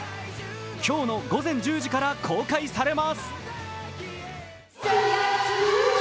今日の午前１０時から公開されます。